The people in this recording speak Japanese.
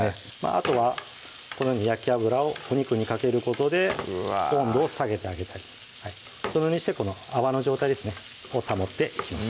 あとはこのように焼き油をお肉にかけることで温度を下げてあげたりそのようにしてこの泡の状態ですねを保っていきます